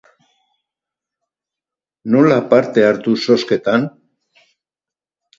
Nola parte hartu zozketan?